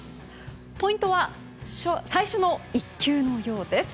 ポイントは最初の１球のようです。